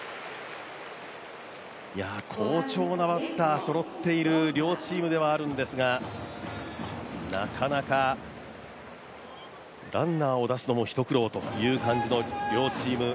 好調なバッターがそろっている両チームではあるんですがなかなかランナーを出すのも一苦労という両チーム。